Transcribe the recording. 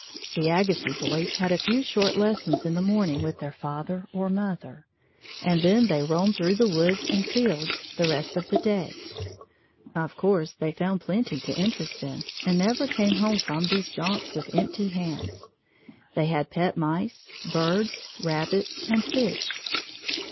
The Agassiz boys had a few short lessons in the morning with their father or mother, and then they roamed through the woods and fields the rest of the day. Of course they found plenty to interest them and never came home from these jaunts with empty hands. They had pet mice, birds, rabbits, and fish.